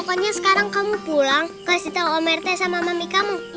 pokoknya sekarang kamu pulang kasih tahu om rt sama mami kamu